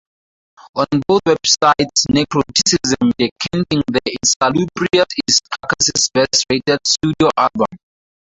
On both websites "Necroticism - Descanting the Insalubrious" is Carcass's best rated studio album.